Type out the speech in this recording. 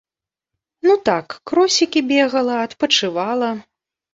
Ну так, кросікі бегала, адпачывала.